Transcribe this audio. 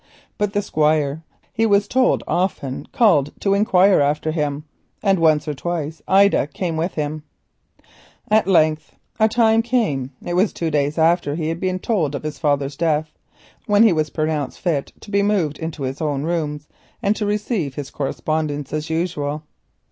But the Squire, he was told, often called to inquire after him, and once or twice Ida came with him. At length a time came—it was two days after he had been told of his father's death—when he was pronounced fit to be moved into his own rooms and to receive his correspondence as usual.